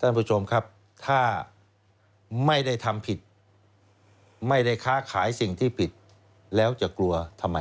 ท่านผู้ชมครับถ้าไม่ได้ทำผิดไม่ได้ค้าขายสิ่งที่ผิดแล้วจะกลัวทำไม